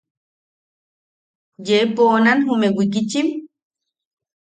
–¿Yee poonan jume wikichim?